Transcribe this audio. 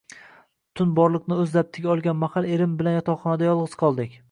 Tun borliqni o`z zabtiga olgan mahal erim bilan yotoqxonada yolg`iz qoldik